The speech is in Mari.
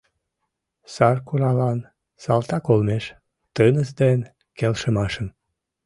Саркуралан салтак олмеш — тыныс ден келшымашым!..